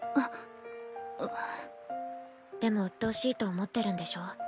でもうっとうしいと思ってるんでしょ？